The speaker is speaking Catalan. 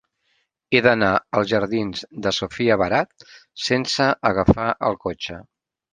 He d'anar als jardins de Sofia Barat sense agafar el cotxe.